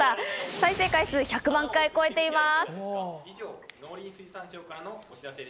再生回数１００万回を超えています。